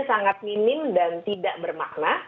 sangat minim dan tidak bermakna